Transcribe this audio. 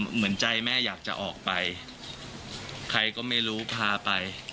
เหมือนใจแม่อยากจะออกไปใครก็ไม่รู้พาไป